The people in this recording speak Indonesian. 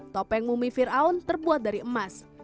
topeng mumi fir'aun terbuat dari emas